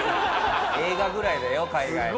映画ぐらいだよ海外の。